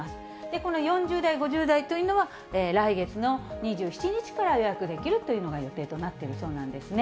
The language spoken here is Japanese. この４０代、５０代というのは、来月の２７日から予約できるというのが予定となっているそうなんですね。